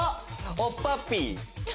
オッパッピー。